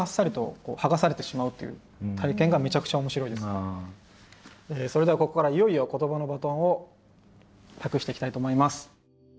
もうこの時点でそれではここからいよいよ言葉のバトンを託していきたいと思います。